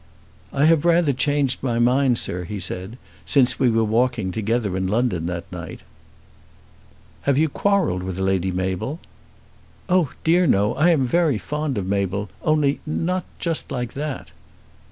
"I have rather changed my mind, sir," he said, "since we were walking together in London that night." "Have you quarrelled with Lady Mabel?" "Oh dear no. I am very fond of Mabel; only not just like that."